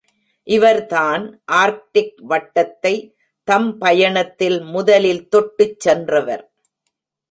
இவர்தான் ஆர்க்டிக் வட்டத்தைத் தம் பயணத்தில் முதலில் தொட்டுச் சென்றவர்.